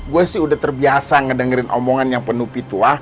gue sih udah terbiasa ngedengerin omongan yang penuh pituah